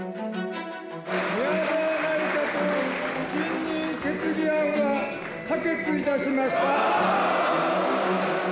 宮沢内閣不信任決議案は可決いたしました。